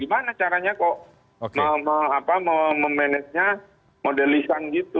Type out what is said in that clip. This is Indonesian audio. gimana caranya kok memanagenya model lisan gitu